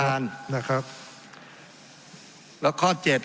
ทั้งสองกรณีผลเอกประยุทธ์